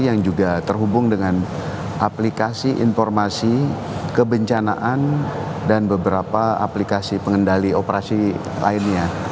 yang juga terhubung dengan aplikasi informasi kebencanaan dan beberapa aplikasi pengendali operasi lainnya